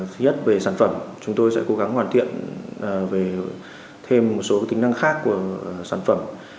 thứ nhất về sản phẩm chúng tôi sẽ cố gắng hoàn thiện về thêm một số tính năng khác của sản phẩm